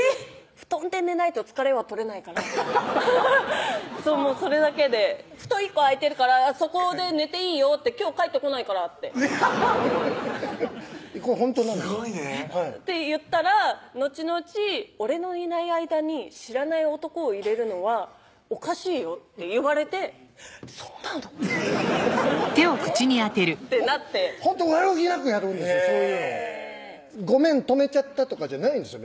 布団で寝ないと疲れは取れないからアハハハッそれだけで「布団１個空いてるからそこで寝ていいよ」って「今日帰ってこないから」ってこれほんとなんですすごいねって言ったらのちのち「俺のいない間に知らない男を入れるのはおかしいよ」って言われて「そうなの？えっ⁉」ってなってほんと悪気なくやるんですよそういうの「ごめん泊めちゃった」とかじゃないんですよ